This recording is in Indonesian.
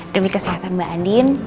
demi kesehatan mbak andien